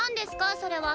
それは。